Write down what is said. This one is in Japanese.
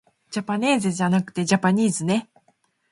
じゃぱねーぜじゃなくてじゃぱにーずね